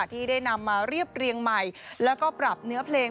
ที่ได้นำมาเรียบเรียงใหม่แล้วก็ปรับเนื้อเพลง